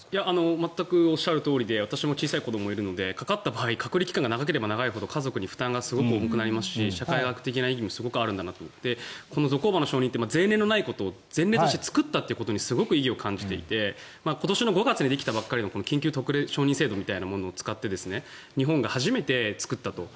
全く私もおっしゃるとおりで私も小さい子どもがいるので隔離期間が長ければ長いほど家族の負担が大きいですし社会学的な意味もすごくあるんだなと思ってこのゾコーバの承認って前例のないことに前例を作ったということがすごく意義を感じていて今年の５月にできたばかりのこの緊急特例承認制度を使って日本が作ったと。